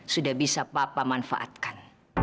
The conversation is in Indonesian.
sudah bisa papa manfaatkan